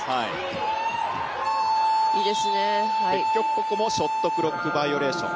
ここもショットクロックバイオレーション。